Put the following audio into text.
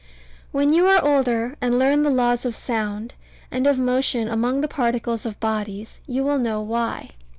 When you are older, and learn the laws of sound, and of motion among the particles of bodies, you will know why.